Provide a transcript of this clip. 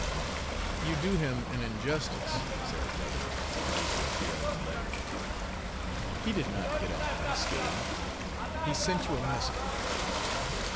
"You do him an injustice," said her brother, producing Tryon's letter. "He did not get off unscathed. He sent you a message."